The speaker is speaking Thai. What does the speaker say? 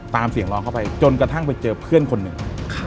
เสียงร้องเข้าไปจนกระทั่งไปเจอเพื่อนคนหนึ่ง